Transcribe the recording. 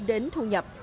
đến thu nhập